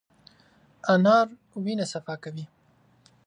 انار د وینې صفا کوي.